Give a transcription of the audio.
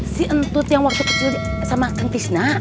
si entut yang waktu kecil sama ken fisna